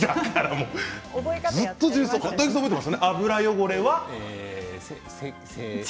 油汚れは？